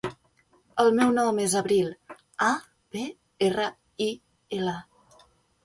El meu nom és Abril: a, be, erra, i, ela.